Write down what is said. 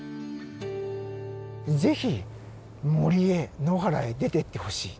是非森へ野原へ出てってほしい。